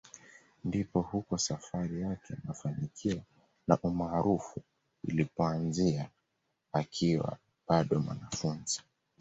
Ndipo huko safari yake ya mafanikio na umaarufu ilipoanzia akiwa bado mwanafunzi